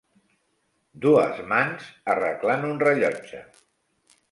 Dues mans arreglant un rellotge.